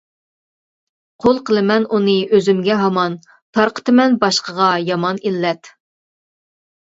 قۇل قىلىمەن ئۇنى ئۈزۈمگە ھامان، تارقىتىمەن باشقىغا يامان ئىللەت.